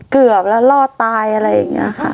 เกือบแล้วรอดตายอะไรอย่างนี้ค่ะ